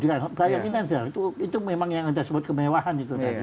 itu memang yang disebut kemewahan